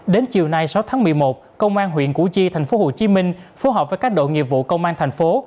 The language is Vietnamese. đến chiều nay sáu tháng một mươi một công an huyện củ chi thành phố hồ chí minh phối hợp với các đội nghiệp vụ công an thành phố